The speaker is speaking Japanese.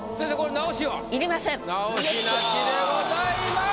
直しなしでございます。